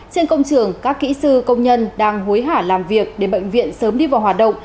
trên công trường các kỹ sư công nhân đang hối hả làm việc để bệnh viện sớm đi vào hoạt động